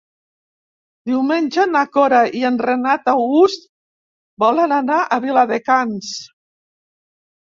Diumenge na Cora i en Renat August volen anar a Viladecans.